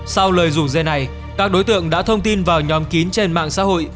sau lời rủ dê này các đối tượng đã thông tin vào nhóm kín trên mạng xã hội